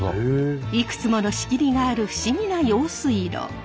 いくつもの仕切りがある不思議な用水路。